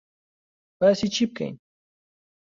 باسی چی بکەین؟